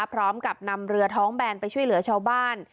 พร้อมกับนำเรือท้องแบนไปช่วยเหลือชาวบ้าน